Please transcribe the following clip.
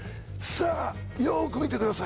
さあよく見てください